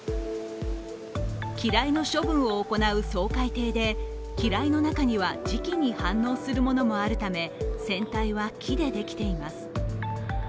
機雷の処分を行う掃海艇で機雷の中には、磁気に反応するものもあるため船体は木でできています。